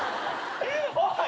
おい！